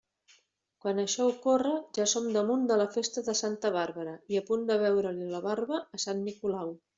Quan això ocorre, ja som damunt de la festa de Santa Bàrbara i a punt de veure-li la barba a sant Nicolau.